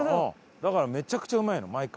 だからめちゃくちゃうまいの毎回。